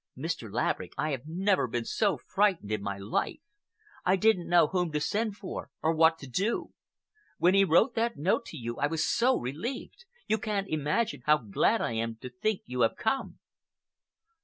Mr. Laverick, I have never been so frightened in my life. I didn't know whom to send for or what to do. When he wrote that note to you I was so relieved. You can't imagine how glad I am to think you have come!"